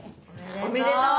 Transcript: おめでとう！